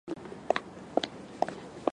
残忍で凶暴な人相のたとえ。